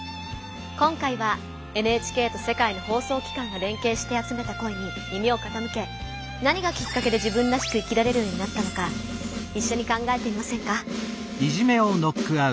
今回はＮＨＫと世界の放送機関が連携してあつめた「声」に耳をかたむけ何がきっかけで自分らしく生きられるようになったのかいっしょに考えてみませんか？